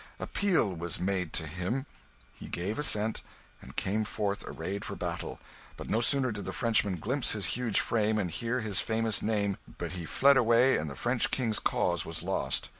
Appeal was made to him; he gave assent, and came forth arrayed for battle; but no sooner did the Frenchman glimpse his huge frame and hear his famous name but he fled away, and the French king's cause was lost.